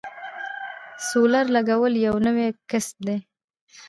د سولر لګول یو نوی کسب دی